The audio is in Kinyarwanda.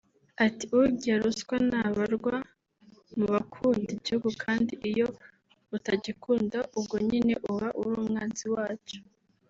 Ati”Urya ruswa ntabarwa mu bakunda igihugu kandi iyo utagikunda ubwo nyine uba uri umwanzi wacyo